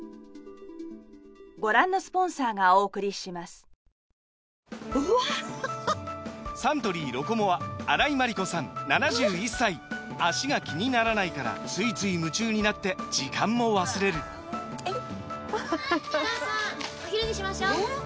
更に国土強じん化などによるサントリー「ロコモア」荒井眞理子さん７１歳脚が気にならないからついつい夢中になって時間も忘れるお母さんお昼にしましょうえー